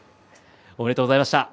おめでとうございます。